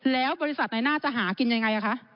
แล้วบริษัทในน่าจะหากินยังไงคะ